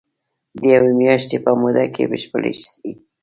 د يوې مياشتي په موده کي بشپړي سي.